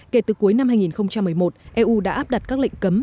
kể từ cuối năm hai nghìn một mươi một eu đã áp đặt các lệnh cấm